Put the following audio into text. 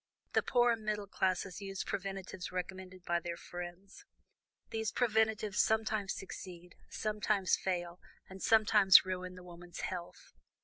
The poorer middle classes use preventives recommended by their friends; these preventives sometimes succeed, sometimes fail, and sometimes ruin the woman's health.